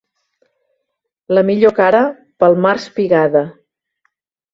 La millor cara, pel març pigada.